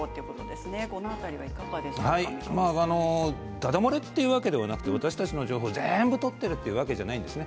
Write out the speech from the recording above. だだ漏れというわけではなくて私たちの情報を全部取っているわけではないんです。